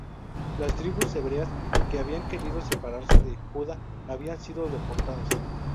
Las tribus hebreas que habían querido separarse de Judá habían sido deportadas.